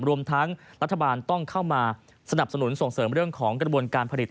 รวมทั้งรัฐบาลต้องเข้ามาสนับสนุนส่งเสริมเรื่องของกระบวนการผลิต